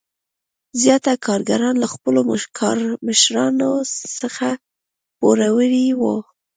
زیاتره کارګران له خپلو کارمشرانو څخه پوروړي وو.